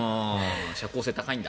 社交性高いんだ。